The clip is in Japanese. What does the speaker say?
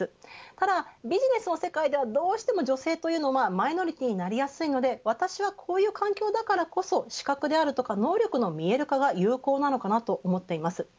ただ、ビジネスの世界ではどうしても女性というのはマイノリティーになりやすいので私はこういう環境だからこそ資格であるとか能力の見える化が有効なのかなと思っています。